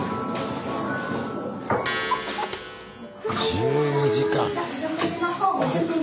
１２時間！